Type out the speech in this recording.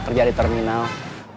makanya saya tak mau di halls